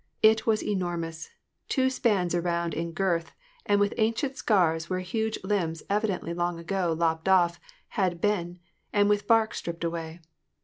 It was enormous, two spans around in girth, and with ancient scars where huge limbs, evidently long ago lopped off, had been, and with bark stripped away.